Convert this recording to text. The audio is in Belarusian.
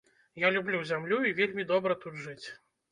Я люблю зямлю, і вельмі добра тут жыць.